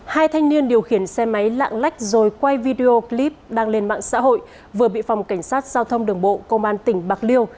hai thanh niên điều khiển xe máy lạng lách rồi quay video clip đăng lên mạng xã hội vừa bị phòng cảnh sát giao thông đường bộ công an tỉnh bạc liêu